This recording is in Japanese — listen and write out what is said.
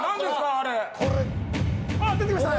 あっ出てきましたね！